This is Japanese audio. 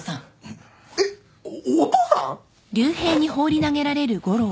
えっおっお父さん！？